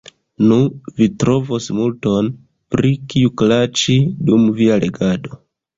Nu, vi trovos multon, pri kiu klaĉi, dum via legado.